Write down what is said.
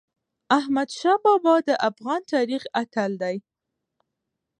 احمدشاه بابا د افغان تاریخ اتل دی.